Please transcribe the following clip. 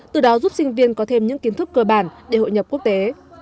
từ đó giúp sinh viên có thêm những kiến thức cơ bản để hội nhập quốc tế